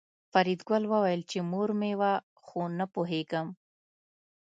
فریدګل وویل چې مور مې وه خو نه پوهېږم